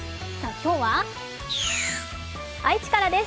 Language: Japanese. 今日は愛知からです。